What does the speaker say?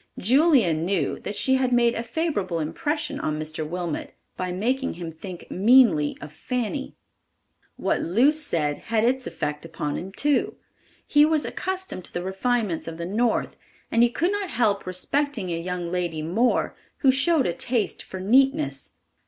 Julia knew that she had made a favorable impression on Mr. Wilmot by making him think meanly of Fanny. What Luce said had its effect upon him, too. He was accustomed to the refinements of the North and he could not help respecting a young lady more who showed a taste for neatness.